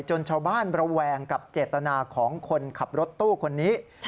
ชาวบ้านระแวงกับเจตนาของคนขับรถตู้คนนี้